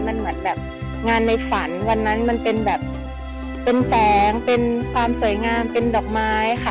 มันเหมือนแบบงานในฝันวันนั้นมันเป็นแบบเป็นแสงเป็นความสวยงามเป็นดอกไม้ค่ะ